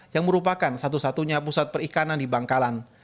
yang merupakan satu satunya pusat perikanan di bangkalan